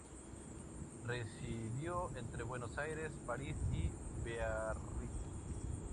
Residió entre Buenos Aires, Paris y Biarritz.